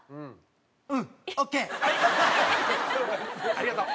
ありがとう。